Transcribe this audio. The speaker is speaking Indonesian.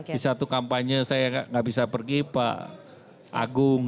di satu kampanye saya nggak bisa pergi pak agung